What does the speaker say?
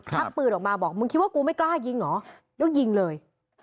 ชักปืนออกมาบอกมึงคิดว่ากูไม่กล้ายิงเหรอแล้วยิงเลย